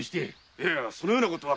いえそのようなことは。